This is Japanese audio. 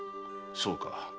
そうか。